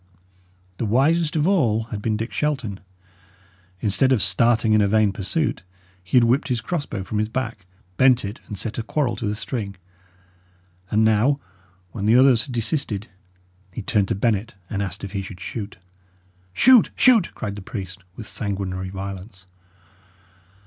The wisest of all had been Dick Shelton. Instead of starting in a vain pursuit, he had whipped his crossbow from his back, bent it, and set a quarrel to the string; and now, when the others had desisted, he turned to Bennet and asked if he should shoot. "Shoot! shoot!" cried the priest, with sanguinary violence.